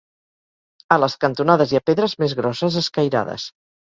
A les cantonades hi ha pedres més grosses escairades.